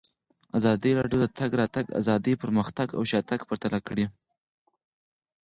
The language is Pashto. ازادي راډیو د د تګ راتګ ازادي پرمختګ او شاتګ پرتله کړی.